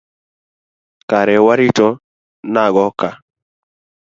Kare warito nago ka.